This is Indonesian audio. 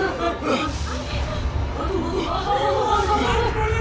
ada yang menembakdir